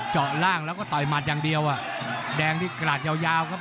เจาะล่างแล้วก็ต่อยหมัดอย่างเดียวอ่ะแดงนี่กราดยาวยาวครับ